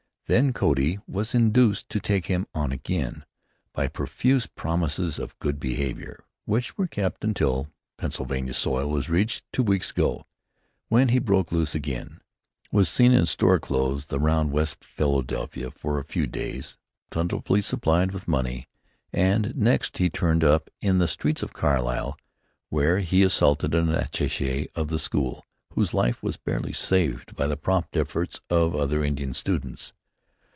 Then Cody was induced to take him on again by profuse promises of good behavior, which were kept until Pennsylvania soil was reached two weeks ago, when he broke loose again; was seen in store clothes around West Philadelphia for a few days, plentifully supplied with money, and next he turned up in the streets of Carlisle, where he assaulted an attaché of the school, whose life was barely saved by the prompt efforts of other Indian students.